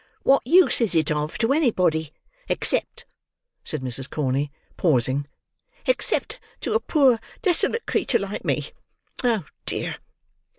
What use is it of, to anybody! Except," said Mrs. Corney, pausing, "except to a poor desolate creature like me. Oh dear!"